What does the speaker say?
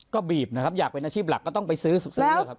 ก็บีบนะครับอยากเป็นอาชีพหลักก็ต้องไปซื้อครับ